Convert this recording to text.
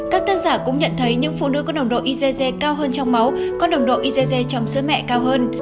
các tân giả cũng nhận thấy những phụ nữ có nồng độ igg cao hơn trong máu có nồng độ igg trong sữa mẹ cao hơn